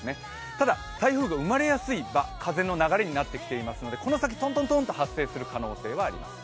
ただ台風が生まれやすい場、風の流れになってきていますので、この先、トントントンと発生する可能性はあります。